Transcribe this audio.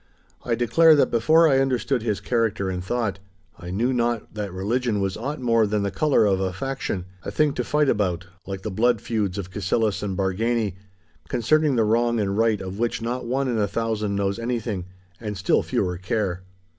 I declare that before I understood his character and thought, I knew not that religion was aught more than the colour of a faction—a thing to fight about, like the blood feuds of Cassillis and Bargany, concerning the wrong and right of which not one in a thousand knows anything, and still fewer care.